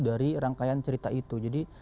dari rangkaian cerita itu jadi